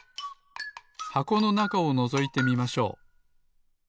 箱のなかをのぞいてみましょう。